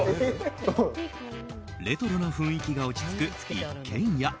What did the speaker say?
レトロな雰囲気が落ち着く一軒家。